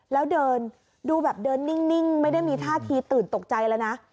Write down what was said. แล้วเดินดูแบบเดินนิ่งไม่ได้มีท่าทีตื่นตกใจแล้วนะ